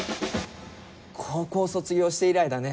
高校卒業して以来だね。